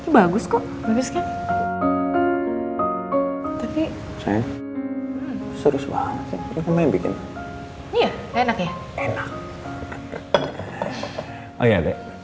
bagus kok bagus kan tapi saya serius banget bikin enak enak